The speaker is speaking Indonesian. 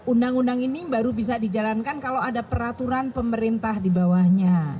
undang undang ini baru bisa dijalankan kalau ada peraturan pemerintah di bawahnya